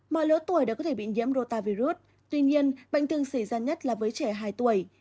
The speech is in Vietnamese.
mọi lứa tuổi đã có thể bị nhiễm rota virus tuy nhiên bệnh thường xảy ra nhất là với trẻ hai tuổi